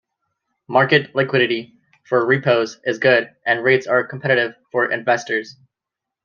Market liquidity for repos is good, and rates are competitive for investors.